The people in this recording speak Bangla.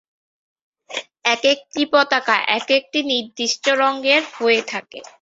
একেকটি পতাকা একেকটি নির্দিষ্ট রঙের হয়ে থাকে।